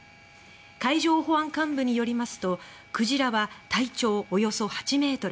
海上保安監部によりますとクジラは体長およそ８ｍ。